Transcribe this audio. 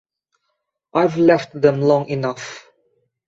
I've left them long enough.